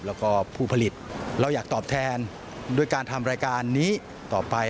แล้วก็ผู้ผลิตเราอยากตอบแทนด้วยการทำรายการนี้ต่อไป